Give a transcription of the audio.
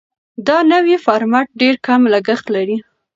دا نوی فارمټ ډېر کم لګښت لري.